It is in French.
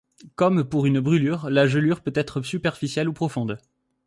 Comme pour une brûlure, la gelure peut être superficielle ou profonde.